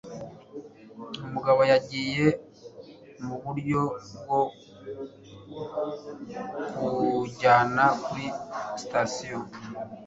umugabo yagiye muburyo bwo kunjyana kuri sitasiyo